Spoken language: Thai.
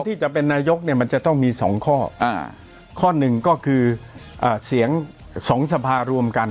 ที่จะเป็นนายกเนี่ยมันจะต้องมีสองข้ออ่าข้อข้อหนึ่งก็คือเสียงสองสภารวมกัน